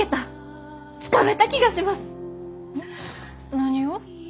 何を？